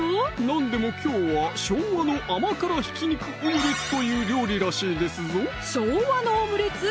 なんでもきょうは「昭和の甘辛ひき肉オムレツ」という料理らしいですぞ昭和のオムレツ？